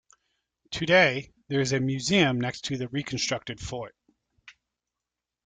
Today, there is a museum next to the reconstructed fort.